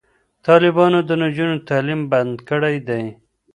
طالبانو د نجونو تعلیم بند کړی دی.